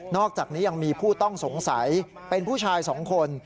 อกจากนี้ยังมีผู้ต้องสงสัยเป็นผู้ชาย๒คน